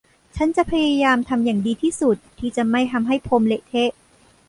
ฉันจะพยายามทำอย่างดีที่สุดที่จะไม่ทำให้พรมเละเทะ